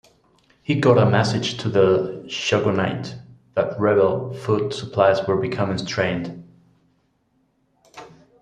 He got a message to the Shogunate that rebel food supplies were becoming strained.